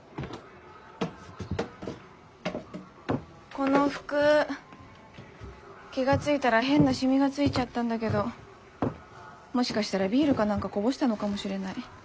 この服気が付いたら変なシミがついちゃったんだけどもしかしたらビールか何かこぼしたのかもしれない。